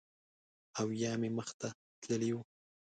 او یا مې مخ ته تللی و